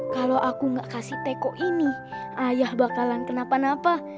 kalau aku gak kasih teko ini ayah bakalan kenapa napa